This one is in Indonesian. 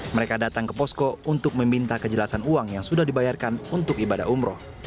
mereka datang ke posko untuk meminta kejelasan uang yang sudah dibayarkan untuk ibadah umroh